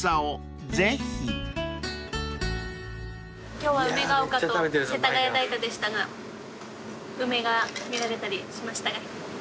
今日は梅丘と世田谷代田でしたが梅が見られたりしましたがいかがでしたか？